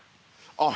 あっ！